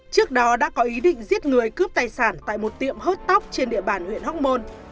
trước đó đã có ý định giết người cướp tài sản tại một tiệm hớt tóc trên địa bàn huyện hóc môn